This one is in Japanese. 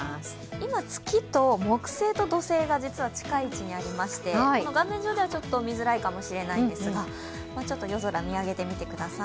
今、月と木星と土星が実は近い位置にありまして画面上ではちょっと見づらいかもしれませんが、夜空、見上げてみてください。